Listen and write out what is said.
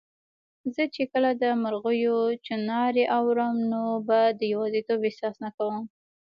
زه چي کله د مرغیو چوڼاری اورم، نو به د یوازیتوب احساس نه کوم